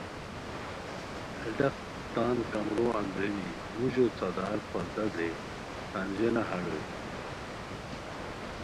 ہے ڈاق تان کمرو اندرینی موژو څھادار، پردہ درے تان ژینہ ہال ہوئے